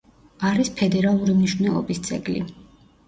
არის ფედერალური მნიშვნელობის ძეგლი.